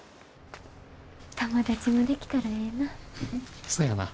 友達もできたらええなぁ。